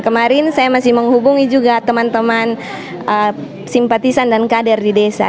kemarin saya masih menghubungi juga teman teman simpatisan dan kader di desa